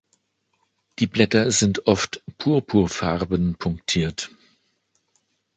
Die Blätter sind oft purpurfarben punktiert.